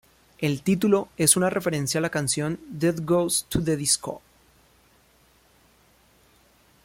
El título es una referencia a la canción "Death Goes to the Disco".